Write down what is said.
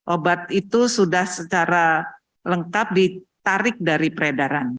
obat itu sudah secara lengkap ditarik dari peredaran